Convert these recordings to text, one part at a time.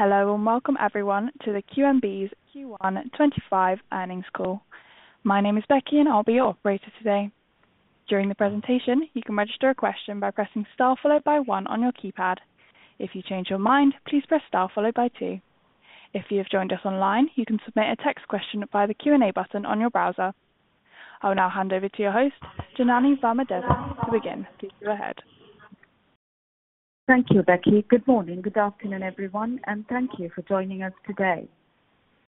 Hello and welcome everyone to the QNB's Q1 2025 earnings call. My name is Becky and I'll be your operator today. During the presentation, you can register a question by pressing star followed by one on your keypad. If you change your mind, please press star followed by two. If you have joined us online, you can submit a text question via the Q&A button on your browser. I'll now hand over to your host, Janany Vamadeva, to begin to go ahead. Thank you, Becky. Good morning, good afternoon everyone, and thank you for joining us today.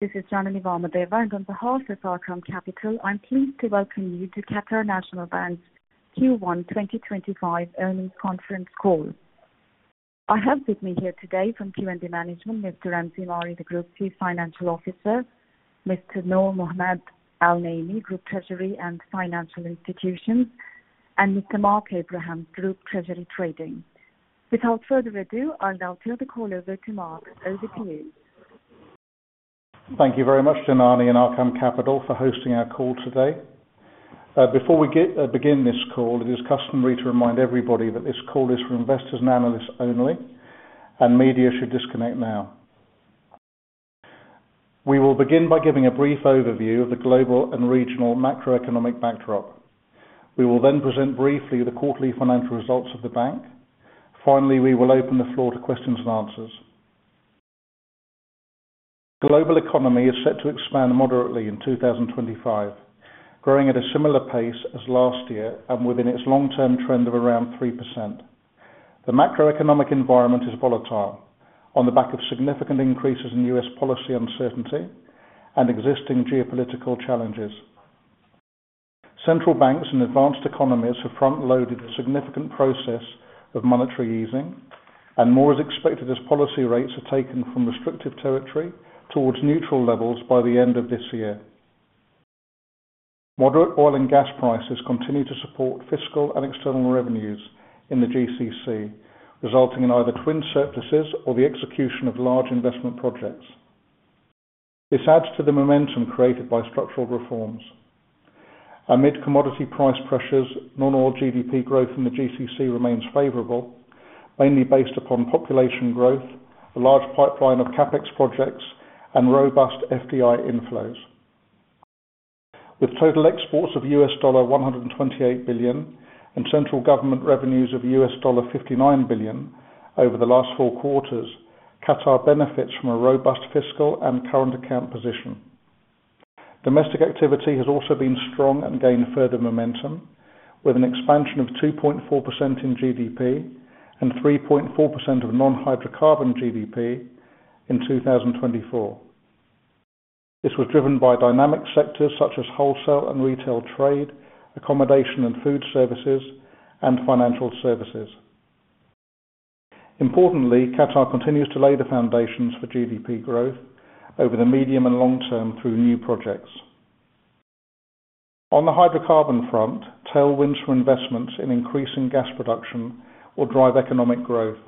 This is Janany Vamadeva and on behalf of Arqaam Capital, I'm pleased to welcome you to Qatar National Bank's Q1-2025 earnings conference call. I have with me here today from QNB Management, Mr. Ramzi Mari, the Group Chief Financial Officer, Mr. Noor Al-Naimi, Group Treasury and Financial Institutions, and Mr. Mark Abrahams, Group Treasury Trading. Without further ado, I'll now turn the call over to Mark. Over to you. Thank you very much, Janany and Arqaam Capital, for hosting our call today. Before we begin this call, it is customary to remind everybody that this call is for investors and analysts only, and media should disconnect now. We will begin by giving a brief overview of the global and regional macroeconomic backdrop. We will then present briefly the quarterly financial results of the bank. Finally, we will open the floor to questions and answers. The global economy is set to expand moderately in 2025, growing at a similar pace as last year and within its long-term trend of around 3%. The macroeconomic environment is volatile on the back of significant increases in U.S. policy uncertainty and existing geopolitical challenges. Central banks and advanced economies have front-loaded a significant process of monetary easing, and more is expected as policy rates are taken from restrictive territory towards neutral levels by the end of this year. Moderate oil and gas prices continue to support fiscal and external revenues in the GCC, resulting in either twin surpluses or the execution of large investment projects. This adds to the momentum created by structural reforms. Amid commodity price pressures, non-oil GDP growth in the GCC remains favorable, mainly based upon population growth, a large pipeline of CapEx projects, and robust FDI inflows. With total exports of $128 billion and central government revenues of $59 billion over the last four quarters, Qatar benefits from a robust fiscal and current account position. Domestic activity has also been strong and gained further momentum, with an expansion of 2.4% in GDP and 3.4% of non-hydrocarbon GDP in 2024. This was driven by dynamic sectors such as wholesale and retail trade, accommodation and food services, and financial services. Importantly, Qatar continues to lay the foundations for GDP growth over the medium and long term through new projects. On the hydrocarbon front, tailwinds for investments in increasing gas production will drive economic growth,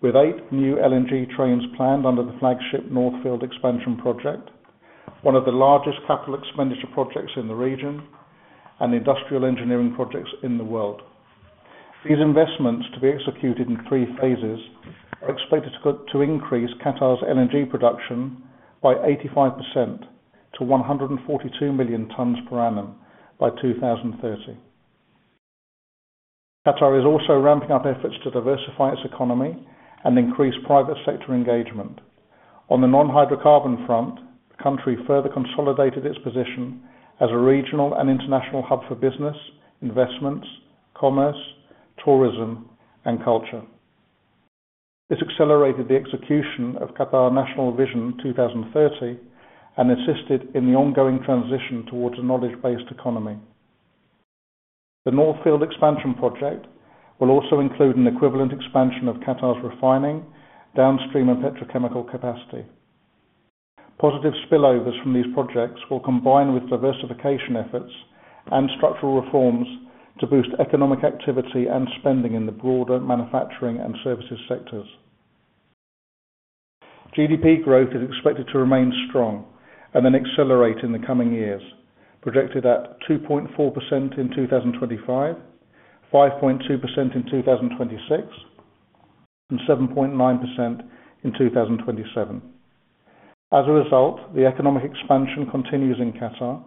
with eight new LNG trains planned under the flagship North Field Expansion Project, one of the largest capital expenditure projects in the region and industrial engineering projects in the world. These investments, to be executed in three phases, are expected to increase Qatar's LNG production by 85% to 142 million tons per annum by 2030. Qatar is also ramping up efforts to diversify its economy and increase private sector engagement. On the non-hydrocarbon front, the country further consolidated its position as a regional and international hub for business, investments, commerce, tourism, and culture. This accelerated the execution of Qatar National Vision 2030 and assisted in the ongoing transition towards a knowledge-based economy. The North Field Expansion Project will also include an equivalent expansion of Qatar's refining, downstream, and petrochemical capacity. Positive spillovers from these projects will combine with diversification efforts and structural reforms to boost economic activity and spending in the broader manufacturing and services sectors. GDP growth is expected to remain strong and then accelerate in the coming years, projected at 2.4% in 2025, 5.2% in 2026, and 7.9% in 2027. As a result, the economic expansion continues in Qatar,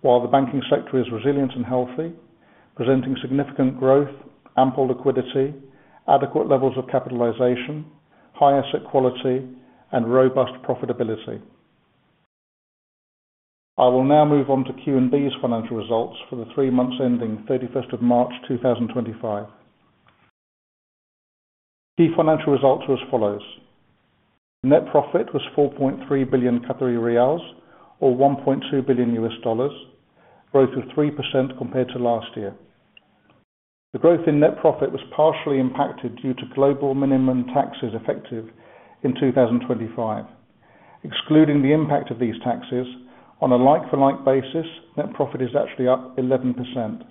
while the banking sector is resilient and healthy, presenting significant growth, ample liquidity, adequate levels of capitalization, high asset quality, and robust profitability. I will now move on to QNB's financial results for the three months ending 31st of March 2025. Key financial results are as follows: net profit was 4.3 billion Qatari riyals, or $1.2 billion, growth of 3% compared to last year. The growth in net profit was partially impacted due to global minimum taxes effective in 2025. Excluding the impact of these taxes on a like-for-like basis, net profit is actually up 11%.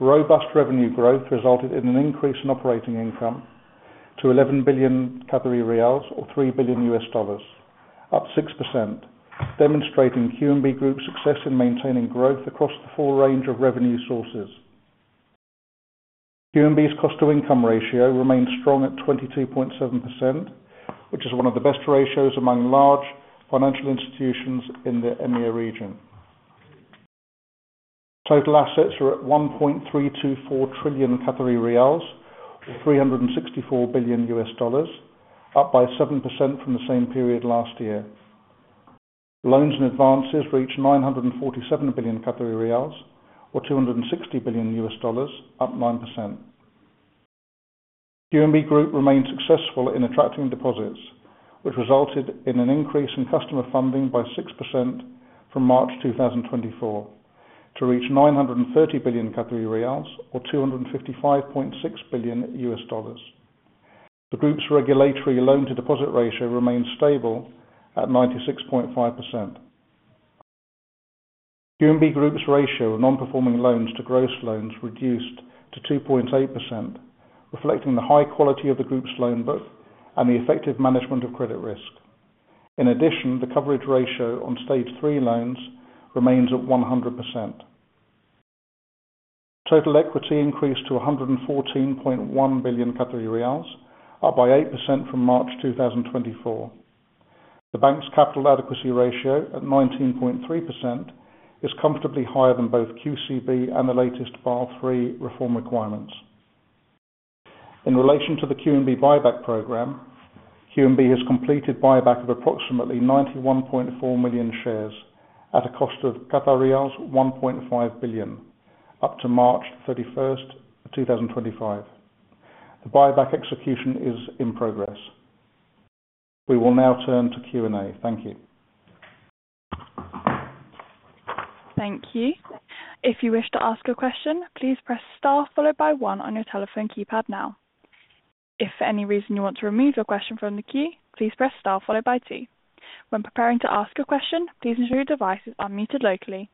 Robust revenue growth resulted in an increase in operating income to 11 billion Qatari riyals, or $3 billion, up 6%, demonstrating QNB Group's success in maintaining growth across the full range of revenue sources. QNB's cost-to-income ratio remained strong at 22.7%, which is one of the best ratios among large financial institutions in the EMEA region. Total assets are at 1.324 trillion Qatari riyals, or $364 billion, up by 7% from the same period last year. Loans and advances reach 947 billion Qatari riyals, or $260 billion, up 9%. QNB Group remained successful in attracting deposits, which resulted in an increase in customer funding by 6% from March 2024 to reach 930 billion Qatari riyals, or $255.6 billion. The group's regulatory loan-to-deposit ratio remained stable at 96.5%. QNB Group's ratio of non-performing loans to gross loans reduced to 2.8%, reflecting the high quality of the group's loan book and the effective management of credit risk. In addition, the coverage ratio on stage three loans remains at 100%. Total equity increased to 114.1 billion Qatari riyals, up by 8% from March 2024. The bank's capital adequacy ratio at 19.3% is comfortably higher than both QCB and the latest Basel III reform requirements. In relation to the QNB buyback program, QNB has completed buyback of approximately 91.4 million shares at a cost of 1.5 billion, up to March 31, 2025. The buyback execution is in progress. We will now turn to Q&A. Thank you. Thank you. If you wish to ask a question, please press star followed by one on your telephone keypad now. If for any reason you want to remove your question from the queue, please press star followed by two. When preparing to ask a question, please ensure your device is unmuted locally.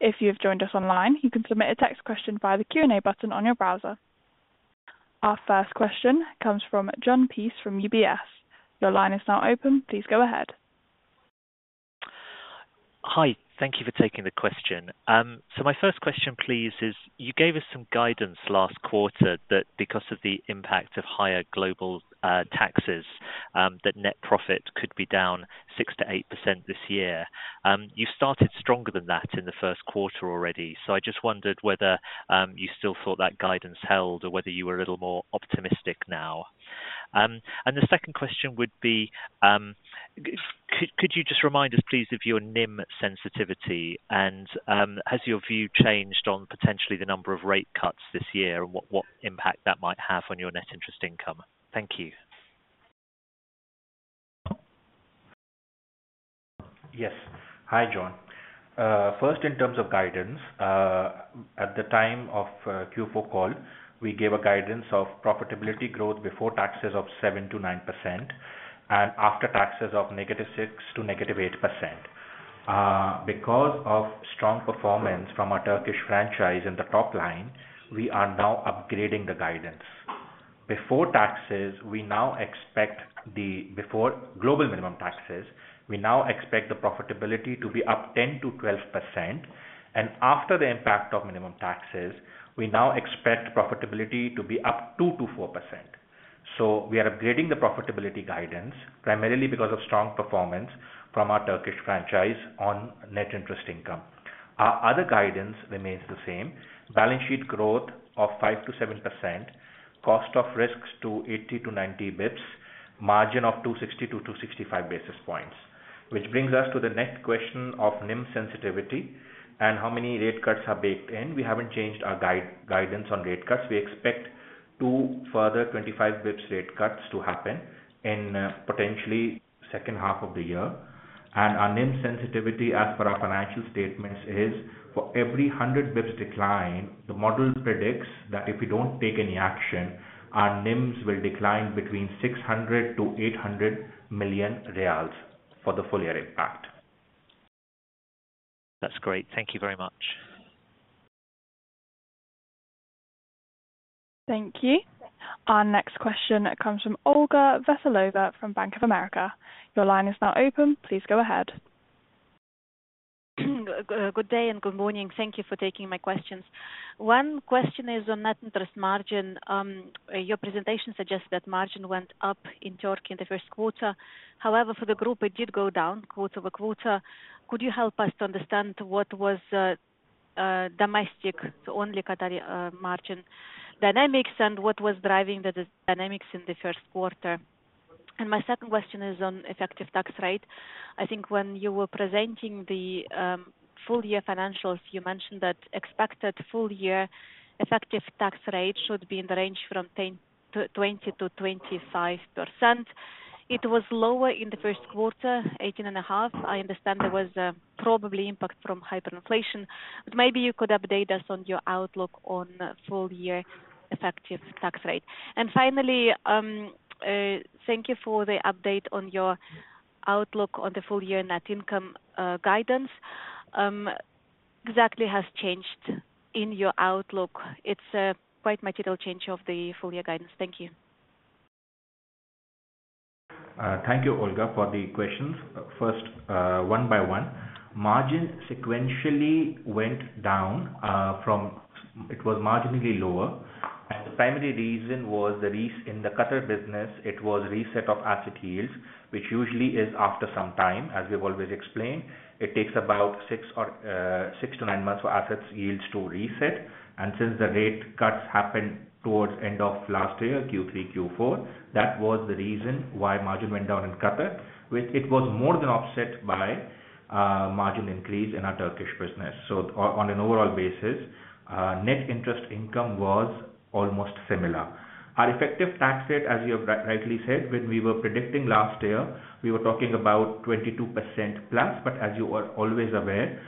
If you have joined us online, you can submit a text question via the Q&A button on your browser. Our first question comes from Jon Peace from UBS. Your line is now open. Please go ahead. Hi, thank you for taking the question. My first question, please, is you gave us some guidance last quarter that because of the impact of higher global taxes, that net profit could be down 6-8% this year. You started stronger than that in the first quarter already, so I just wondered whether you still thought that guidance held or whether you were a little more optimistic now. The second question would be, could you just remind us, please, of your NIM sensitivity and has your view changed on potentially the number of rate cuts this year and what impact that might have on your net interest income? Thank you. Yes. Hi, Jon. First, in terms of guidance, at the time of Q4 call, we gave a guidance of profitability growth before taxes of 7-9% and after taxes of negative 6% to negative 8%. Because of strong performance from our Turkish franchise in the top line, we are now upgrading the guidance. Before taxes, before global minimum taxes, we now expect the profitability to be up 10-12%, and after the impact of minimum taxes, we now expect profitability to be up 2-4%. We are upgrading the profitability guidance primarily because of strong performance from our Turkish franchise on net interest income. Our other guidance remains the same: balance sheet growth of 5-7%, cost of risk to 80-90 basis points, margin of 260-265 basis points, which brings us to the next question of NIM sensitivity and how many rate cuts are baked in. We have not changed our guidance on rate cuts. We expect two further 25 basis points rate cuts to happen in, potentially the second half of the year. Our NIM sensitivity, as per our financial statements, is for every 100 basis points decline, the model predicts that if we do not take any action, our NIMs will decline between QAR 600 million-QAR 800 million for the full year impact. That's great. Thank you very much. Thank you. Our next question, it comes from Olga Veselova from Bank of America. Your line is now open. Please go ahead. Good day and good morning. Thank you for taking my questions. One question is on net interest margin. Your presentation suggests that margin went up in Türkiye in the first quarter. However, for the group, it did go down quarter by quarter. Could you help us to understand what was, domestic, so only Qatari, margin dynamics and what was driving the dynamics in the first quarter? My second question is on effective tax rate. I think when you were presenting the full year financials, you mentioned that expected full year effective tax rate should be in the range from 10-20% to 25%. It was lower in the first quarter, 18.5%. I understand there was probably impact from hyperinflation, but maybe you could update us on your outlook on full year effective tax rate. Thank you for the update on your outlook on the full year net income guidance. Exactly has changed in your outlook. It is a quite material change of the full year guidance. Thank you. Thank you, Olga, for the questions. First, one by one. Margin sequentially went down, from it was marginally lower, and the primary reason was the reset in the Qatar business. It was reset of asset yields, which usually is after some time, as we've always explained. It takes about six or six to nine months for asset yields to reset. Since the rate cuts happened towards end of last year, Q3, Q4, that was the reason why margin went down in Qatar, which it was more than offset by margin increase in our Turkish business. On an overall basis, net interest income was almost similar. Our effective tax rate, as you have rightly said, when we were predicting last year, we were talking about 22% plus, but as you are always aware,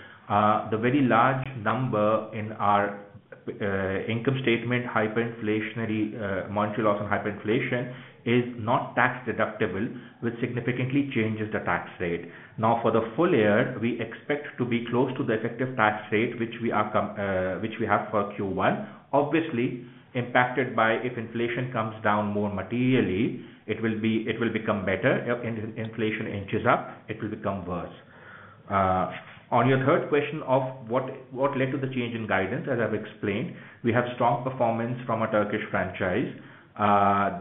the very large number in our income statement, hyperinflationary monetary loss and hyperinflation is not tax deductible, which significantly changes the tax rate. Now, for the full year, we expect to be close to the effective tax rate, which we have for Q1, obviously impacted by if inflation comes down more materially, it will be, it will become better. If inflation inches up, it will become worse. On your third question of what led to the change in guidance, as I've explained, we have strong performance from our Turkish franchise.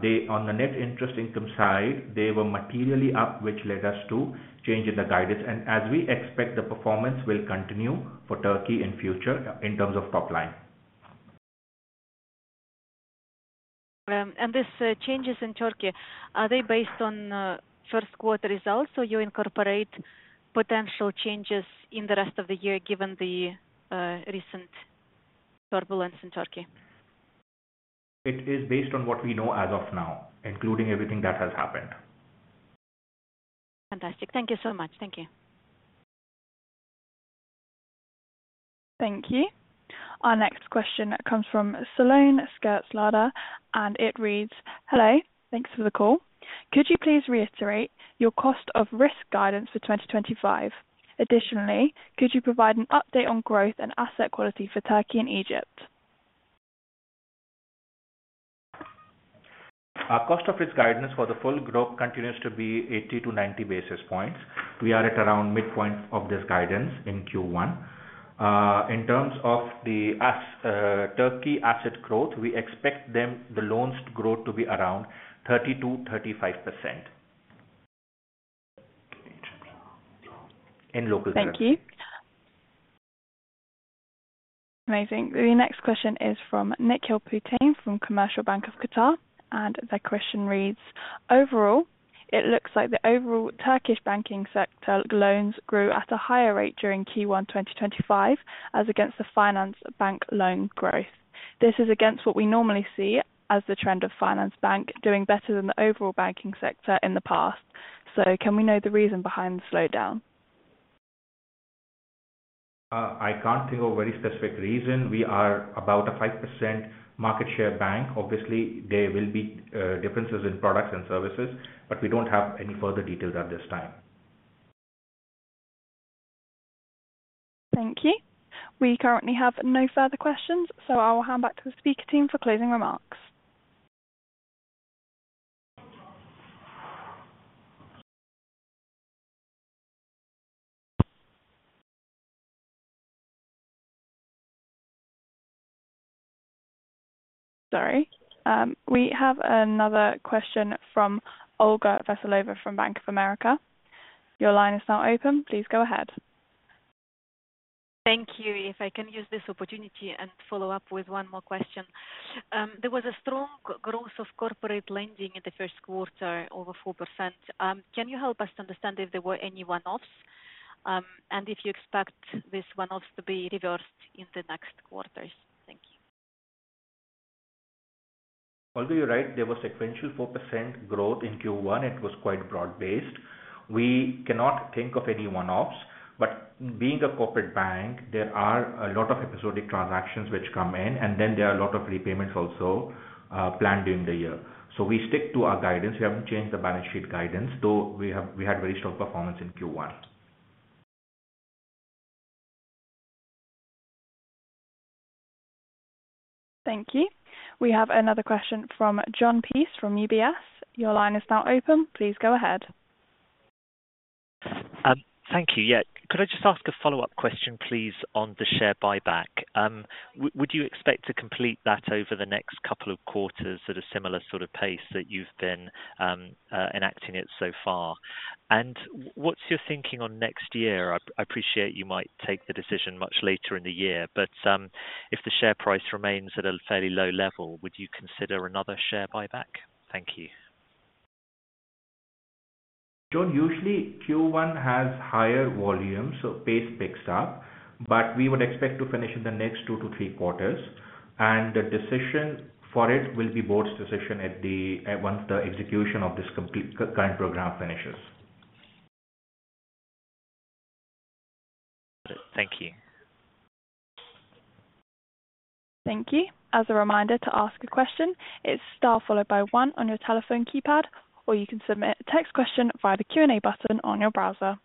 They, on the net interest income side, they were materially up, which led us to change in the guidance. We expect the performance will continue for Türkiye in future in terms of top line. This, changes in Türkiye, are they based on first quarter results or you incorporate potential changes in the rest of the year given the recent turbulence in Türkiye? It is based on what we know as of now, including everything that has happened. Fantastic. Thank you so much. Thank you. Thank you. Our next question, it comes from Siloane Skertz-Lada, and it reads, "Hello, thanks for the call. Could you please reiterate your cost of risk guidance for 2025? Additionally, could you provide an update on growth and asset quality for Türkiye and Egypt? Cost of risk guidance for the full group continues to be 80-90 basis points. We are at around midpoint of this guidance in Q1. In terms of the asset, Türkiye asset growth, we expect them, the loans, to grow to be around 30-35% in local. Thank you. Amazing. The next question is from Nikhil Poutin from Commercial Bank of Qatar, and the question reads, "Overall, it looks like the overall Turkish banking sector loans grew at a higher rate during Q1 2025 as against the finance bank loan growth. This is against what we normally see as the trend of finance bank doing better than the overall banking sector in the past. Can we know the reason behind the slowdown? I can't think of a very specific reason. We are about a 5% market share bank. Obviously, there will be differences in products and services, but we don't have any further details at this time. Thank you. We currently have no further questions, so I will hand back to the speaker team for closing remarks. Sorry, we have another question from Olga Veselova from Bank of America. Your line is now open. Please go ahead. Thank you. If I can use this opportunity and follow up with one more question. There was a strong growth of corporate lending in the first quarter, over 4%. Can you help us to understand if there were any one-offs, and if you expect these one-offs to be reversed in the next quarters? Thank you. Although you're right, there was sequential 4% growth in Q1. It was quite broad-based. We cannot think of any one-offs, but being a corporate bank, there are a lot of episodic transactions which come in, and then there are a lot of repayments also, planned during the year. We stick to our guidance. We haven't changed the balance sheet guidance, though we have, we had very strong performance in Q1. Thank you. We have another question from John Peace from UBS. Your line is now open. Please go ahead. Thank you. Yeah. Could I just ask a follow-up question, please, on the share buyback? Would you expect to complete that over the next couple of quarters at a similar sort of pace that you've been enacting it so far? What's your thinking on next year? I appreciate you might take the decision much later in the year, but if the share price remains at a fairly low level, would you consider another share buyback? Thank you. John, usually Q1 has higher volume, so pace picks up, but we would expect to finish in the next two to three quarters. The decision for it will be board's decision at the, once the execution of this current program finishes. Got it. Thank you. Thank you. As a reminder to ask a question, it's star followed by one on your telephone keypad, or you can submit a text question via the Q&A button on your browser.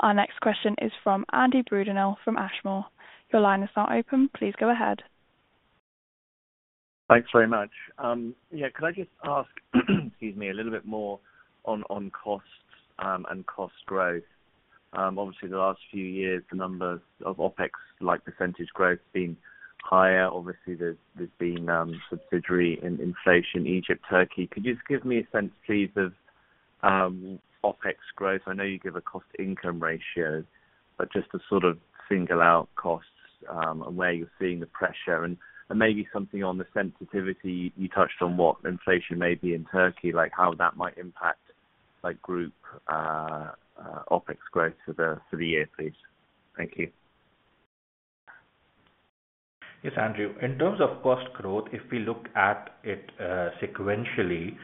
Our next question is from Andy Brudenell from Ashmore. Your line is now open. Please go ahead. Thanks very much. Yeah, could I just ask, excuse me, a little bit more on, on costs, and cost growth? Obviously, the last few years, the numbers of OpEx, like percentage growth, have been higher. Obviously, there's, there's been, subsidiary in inflation, Egypt, Türkiye. Could you just give me a sense, please, of, OpEx growth? I know you give a cost income ratio, but just to sort of single out costs, and where you're seeing the pressure and, and maybe something on the sensitivity you touched on, what inflation may be in Türkiye, like how that might impact, like, group, OpEx growth for the, for the year, please. Thank you. Yes, Andrew. In terms of cost growth, if we look at it sequentially,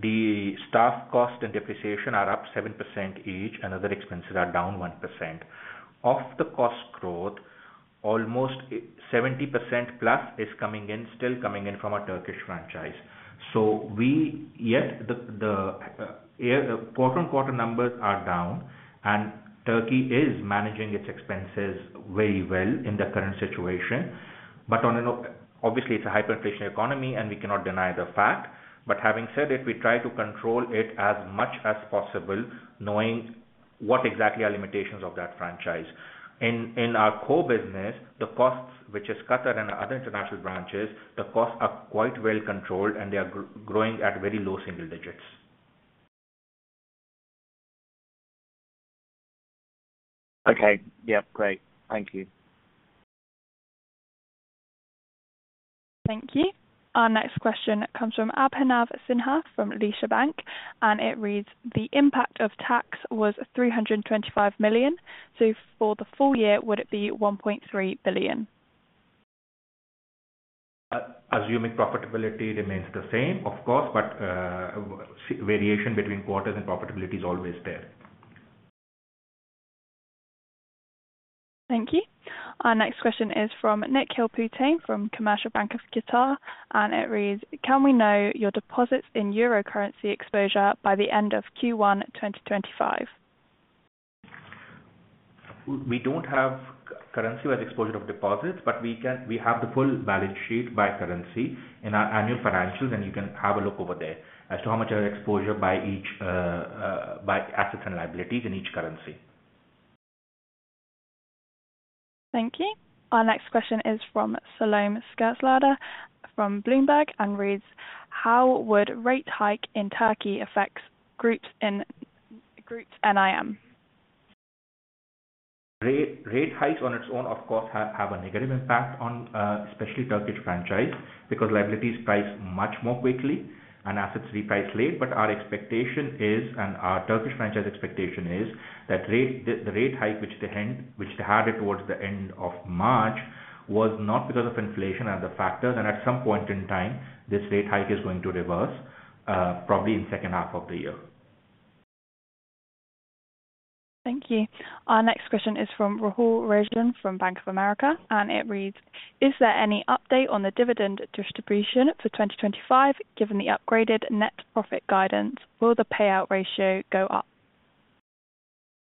the staff cost and depreciation are up 7% each, and other expenses are down 1%. Of the cost growth, almost 70% plus is coming in, still coming in from our Turkish franchise. Yet the quarter-on-quarter numbers are down, and Türkiye is managing its expenses very well in the current situation. Obviously, it is a hyperinflationary economy, and we cannot deny the fact. Having said it, we try to control it as much as possible, knowing what exactly are limitations of that franchise. In our core business, the costs, which is Qatar and other international branches, the costs are quite well controlled, and they are growing at very low single digits. Okay. Yep. Great. Thank you. Thank you. Our next question, it comes from Abhinav Sinha from Al Rajhi Bank, and it reads, "The impact of tax was $325 million. For the full year, would it be $1.3 billion? Assuming profitability remains the same, of course, but variation between quarters and profitability is always there. Thank you. Our next question is from Nikhil Poutin from Commercial Bank of Qatar, and it reads, "Can we know your deposits in euro currency exposure by the end of Q1 2025? We do not have currency-wise exposure of deposits, but we have the full balance sheet by currency in our annual financials, and you can have a look over there as to how much our exposure is by each, by assets and liabilities in each currency. Thank you. Our next question is from Siloane Skertz-Lada from Bloomberg and reads, "How would rate hike in Türkiye affect group's NIM? Rate hikes on its own, of course, have a negative impact on, especially Turkish franchise because liabilities price much more quickly and assets reprice late. Our expectation is, and our Turkish franchise expectation is that the rate hike which they had towards the end of March was not because of inflation and the factors. At some point in time, this rate hike is going to reverse, probably in the second half of the year. Thank you. Our next question is from Rahul Rozhan from Bank of America, and it reads, "Is there any update on the dividend distribution for 2025 given the upgraded net profit guidance? Will the payout ratio go up?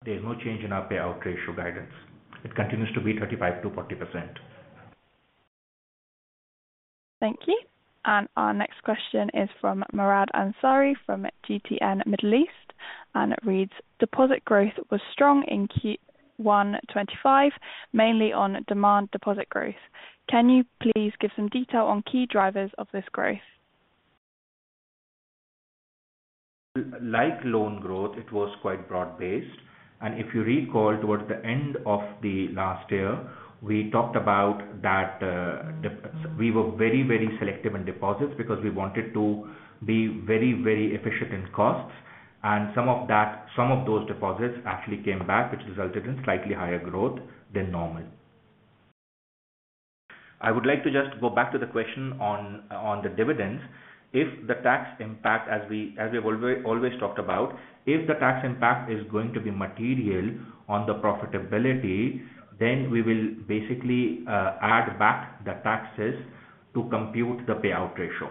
There's no change in our payout ratio guidance. It continues to be 35-40%. Thank you. Our next question is from Murad Ansari from GTN Middle East, and it reads, "Deposit growth was strong in Q1 2025, mainly on demand deposit growth. Can you please give some detail on key drivers of this growth? Like loan growth, it was quite broad-based. If you recall, towards the end of last year, we talked about that, we were very, very selective in deposits because we wanted to be very, very efficient in costs. Some of those deposits actually came back, which resulted in slightly higher growth than normal. I would like to just go back to the question on the dividends. If the tax impact, as we have always, always talked about, if the tax impact is going to be material on the profitability, then we will basically add back the taxes to compute the payout ratio.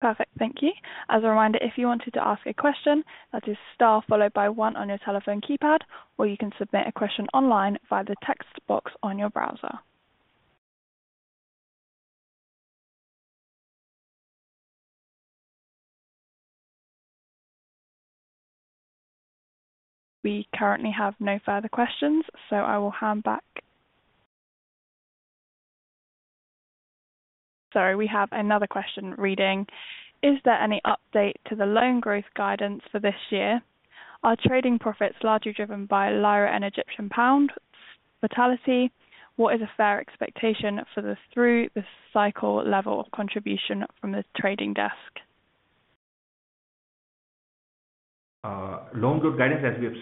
Perfect. Thank you. As a reminder, if you wanted to ask a question, that is star followed by one on your telephone keypad, or you can submit a question online via the text box on your browser. We currently have no further questions, so I will hand back. Sorry. We have another question reading, "Is there any update to the loan growth guidance for this year? Are trading profits largely driven by lira and Egyptian pound volatility? What is a fair expectation for the through-the-cycle level of contribution from the trading desk? Loan growth guidance, as we have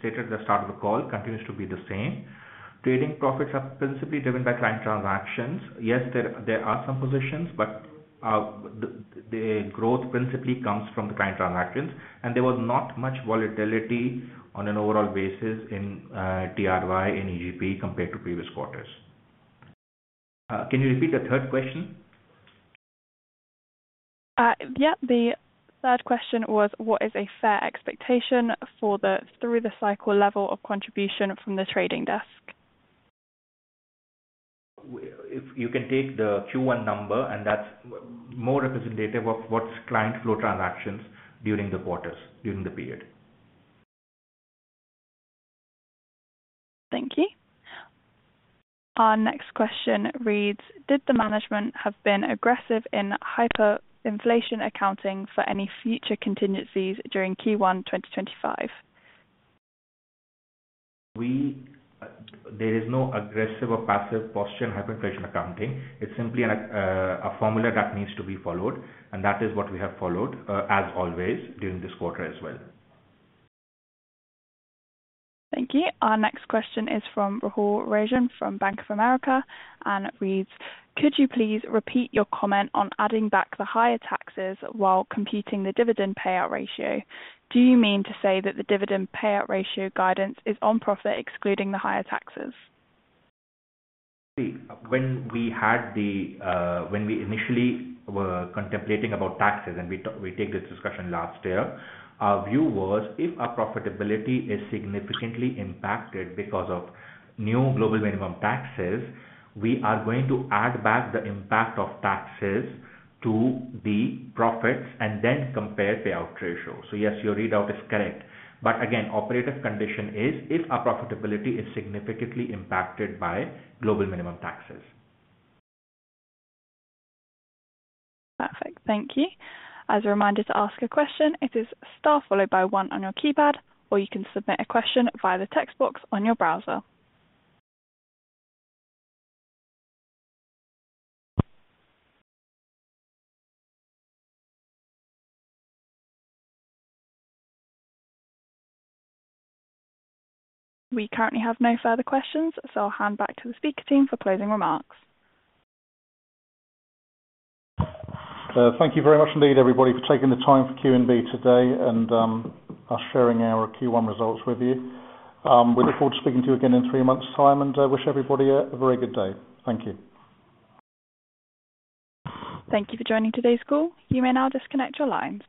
stated at the start of the call, continues to be the same. Trading profits are principally driven by client transactions. Yes, there are some positions, but the growth principally comes from the client transactions, and there was not much volatility on an overall basis in TRY and EGP compared to previous quarters. Can you repeat the third question? Yep. The third question was, "What is a fair expectation for the through-the-cycle level of contribution from the trading desk? If you can take the Q1 number, and that's more representative of what's client flow transactions during the quarters, during the period. Thank you. Our next question reads, "Did the management have been aggressive in hyperinflation accounting for any future contingencies during Q1 2025? There is no aggressive or passive positive hyperinflation accounting. It's simply a formula that needs to be followed, and that is what we have followed, as always during this quarter as well. Thank you. Our next question is from Rahul Rezhan from Bank of America, and it reads, "Could you please repeat your comment on adding back the higher taxes while computing the dividend payout ratio? Do you mean to say that the dividend payout ratio guidance is on profit, excluding the higher taxes? See, when we had the, when we initially were contemplating about taxes and we take this discussion last year, our view was if our profitability is significantly impacted because of new global minimum taxes, we are going to add back the impact of taxes to the profits and then compare payout ratio. Yes, your readout is correct. Again, operative condition is if our profitability is significantly impacted by global minimum taxes. Perfect. Thank you. As a reminder to ask a question, it is star followed by one on your keypad, or you can submit a question via the text box on your browser. We currently have no further questions, so I'll hand back to the speaker team for closing remarks. Thank you very much indeed, everybody, for taking the time for QNB today and us sharing our Q1 results with you. We look forward to speaking to you again in three months' time and wish everybody a very good day. Thank you. Thank you for joining today's call. You may now disconnect your lines.